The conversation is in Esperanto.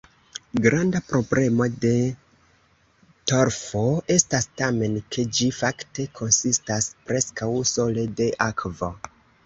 Granda problemo de torfo estas tamen, ke ĝi fakte konsistas preskaŭ sole de akvo.